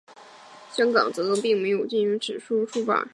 香港则并没有禁止本书出版。